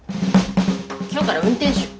今日から運転手。